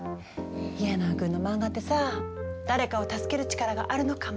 家長君の漫画ってさ誰かを助ける力があるのかも。